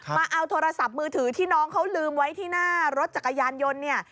มาเอาโทรศัพท์มือถือที่น้องเขาลืมไว้ที่หน้ารถจักรยานยนต์เนี่ย